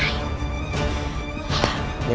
kau tak bisa